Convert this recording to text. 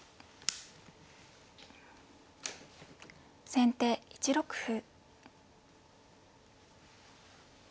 先手１六歩。